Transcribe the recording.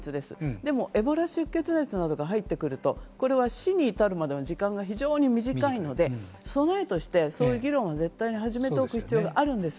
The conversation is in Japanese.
でもエボラ出血熱などが入ってくると、これは死に至るまでの時間が非常に短いので、備えとしてそういう議論を始めておく必要があるんです。